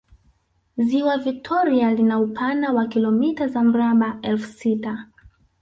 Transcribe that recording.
Ziwa Vitoria lina upana wa kilomita za mraba elfu sita